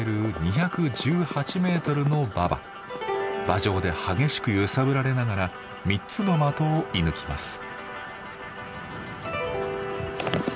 馬上で激しく揺さぶられながら３つの的を射ぬきます。